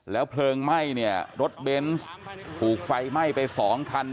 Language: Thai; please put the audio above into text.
แล้วเพลิงไหม้รถเบนส์ถูกไฟไหม้ไป๒คัน